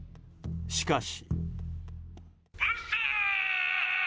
しかし。